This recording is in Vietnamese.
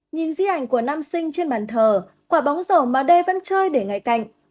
nhìn di ảnh của nam sinh trên bàn thờ quả bóng rổ mà d vẫn chơi để ngay cạnh